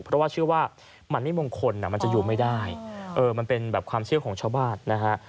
เพราะว่าเชื่อว่ามันไม่มงคลมันจะอยู่ไม่ได้มันเป็นแบบความเชื่อของชาวบ้านนะฮะ